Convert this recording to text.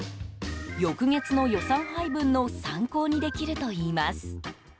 翌月の予算配分の参考にできるといいます。